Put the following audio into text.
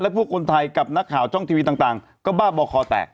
พวกคนไทยกับนักข่าวช่องทีวีต่างก็บ้าบ่อคอแตก